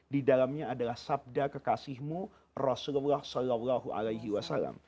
di dalamnya adalah sabda kekasihmu rasulullah saw